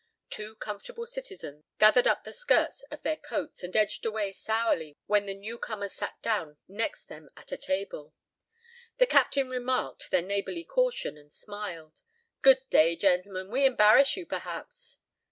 Two comfortable citizens gathered up the skirts of their coats and edged away sourly when the new comers sat down next them at a table. The captain remarked their neighborly caution, and smiled. "Good day, gentlemen. We embarrass you, perhaps?"